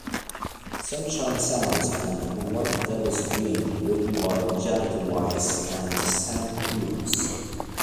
"Sunshine Sounds" and "White Devil's Dream" written by Janet Weiss and Sam Coomes.